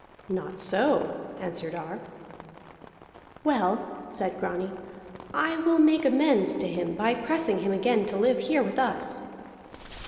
"Not so," answered Ar. "Well," Grani said, "I will make amends to him by pressing him again to live here with us."